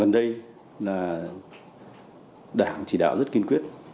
đây là đảng chỉ đạo rất kiên quyết